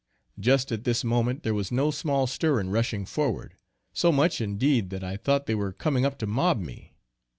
Just at this moment there was no small stir in rushing forward; so much indeed, that I thought they were coming up to mob me.